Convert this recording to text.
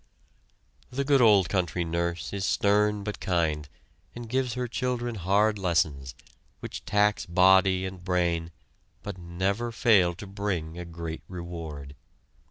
The good old country nurse is stern but kind, and gives her children hard lessons, which tax body and brain, but never fail to bring a great reward.